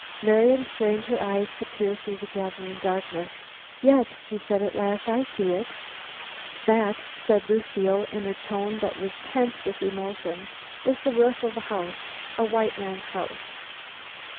Marian strained her eyes to peer through the gathering darkness. "Yes," she said at last, "I see it." "That," said Lucile in a tone that was tense with emotion, "is the roof of a house a white man's house!"